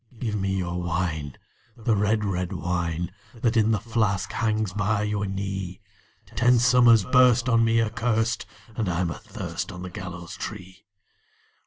"Give me your wine, the red, red wine, That in the flask hangs by your knee! Ten summers burst on me accurst, And I'm athirst on the gallows tree."